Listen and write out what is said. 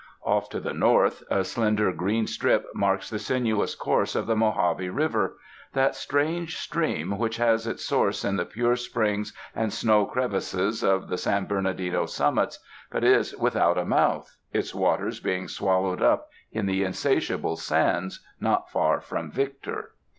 Ot¥ to the north a slender green strip marks the sinuous course of the Mojave River, that strange stream which has its source in the pure springs and snow crevasses of the San Bernardino summits, but is without a mouth, its waters being swallowed up in the in satiable sands not far from Victor.